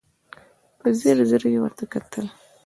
په ځير ځير يې ورته وکتل.